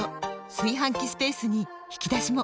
炊飯器スペースに引き出しも！